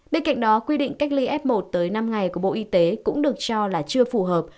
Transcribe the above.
bên cạnh đó quy định cách ly f một tới năm ngày của bộ y tế cũng được cho là chưa phù hợp